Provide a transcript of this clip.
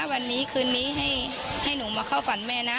วันนี้คืนนี้ให้หนูมาเข้าฝันแม่นะ